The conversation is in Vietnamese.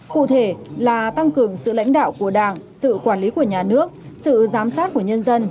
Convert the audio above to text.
cụ thể là tăng cường sự lãnh đạo của đảng sự quản lý của nhà nước sự giám sát của nhân dân